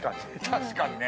確かにね。